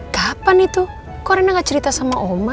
kapan itu kok reina gak cerita sama oma